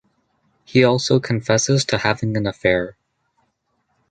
He also confesses to having an affair.